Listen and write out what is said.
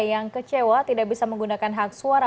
yang kecewa tidak bisa menggunakan hak suara